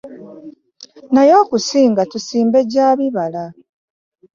Naye okusinga tusimbe gya bibala.